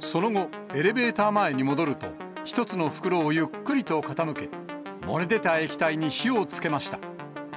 その後、エレベーター前に戻ると、１つの袋をゆっくりと傾け、漏れ出た液体に火をつけました。